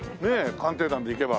『鑑定団』でいけば。